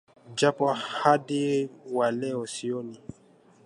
Japo hadi wa leo, sioni